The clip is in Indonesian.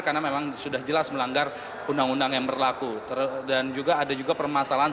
karena memang sudah jelas melanggar undang undang yang berlaku dan juga ada juga permasalahan